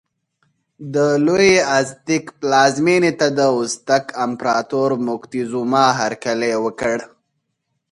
د لوی ازتېک پلازمېنې ته د ازتک امپراتور موکتیزوما هرکلی وکړ.